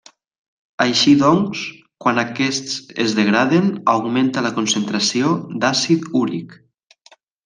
Així doncs quan aquests es degraden augmenta la concentració d'àcid úric.